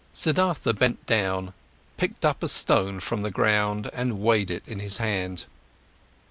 Siddhartha bent down, picked up a stone from the ground, and weighed it in his hand.